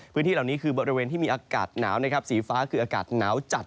พื้นที่เหล่านี้คือบริเวณที่มีอากาศหนาวนะครับสีฟ้าคืออากาศหนาวจัด